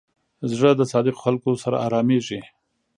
زړه د صادقو خلکو سره آرامېږي.